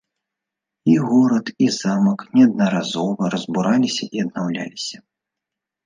І горад, і замак неаднаразова разбураліся і аднаўляліся.